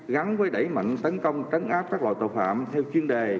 gắn với đẩy mạnh tấn công trấn áp các loại tội phạm theo chuyên đề